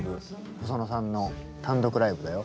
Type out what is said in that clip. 細野さんの単独ライブだよ。